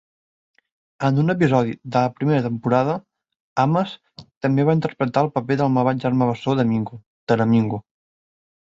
En un episodi de la primera temporada, Ames també va interpretar el paper del malvat germà bessó de Mingo, Taramingo.